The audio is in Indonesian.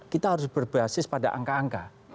kita harus berbasis pada angka angka